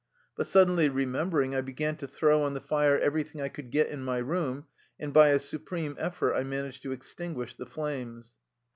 But suddenly remembering, I began to throw on the fire everything I could get in my room, and by a supreme effort I managed to extinguish the flames.